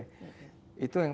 itu yang paling penting